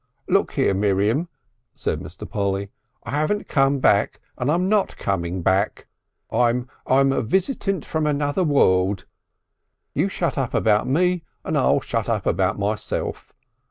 "Look here, Miriam," said Mr. Polly. "I haven't come back and I'm not coming back. I'm I'm a Visitant from Another World. You shut up about me and I'll shut up about myself.